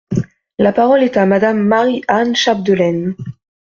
La parole est à Madame Marie-Anne Chapdelaine.